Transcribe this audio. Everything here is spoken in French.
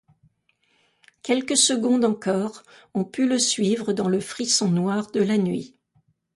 Quelques secondes encore, on put le suivre, dans le frisson noir de la nuit.